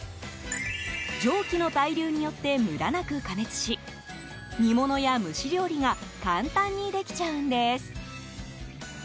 蒸気の対流によってムラなく加熱し煮物や蒸し料理が簡単にできちゃうんです。